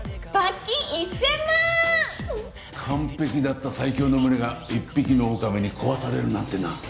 完璧だった最強の群れが一匹の狼に壊されるなんてな。